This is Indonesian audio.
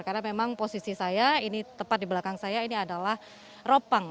karena memang posisi saya ini tepat di belakang saya ini adalah ropang